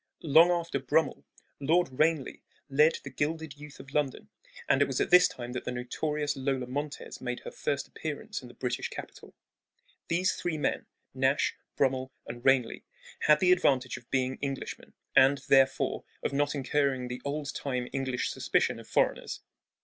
Long after Brummel, Lord Banelagh led the gilded youth of London, and it was at this time that the notorious Lola Montez made her first appearance in the British capital. These three men Nash, Brummel, and Ranelagh had the advantage of being Englishmen, and, therefore, of not incurring the old time English suspicion of foreigners.